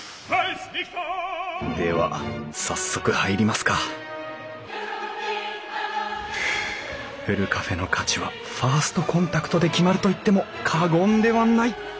では早速入りますかふるカフェの価値はファーストコンタクトで決まると言っても過言ではない！